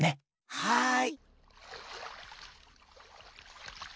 はい。